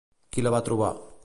Qui la va trobar?